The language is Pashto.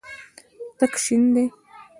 تک شین دی.